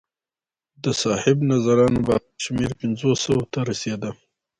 د صاحب نظرانو باور شمېر پنځو سوو ته رسېده